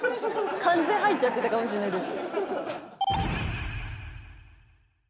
完全入っちゃってたかもしれないです。